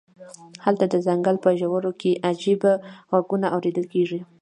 هلته د ځنګل په ژورو کې عجیب غږونه اوریدل کیږي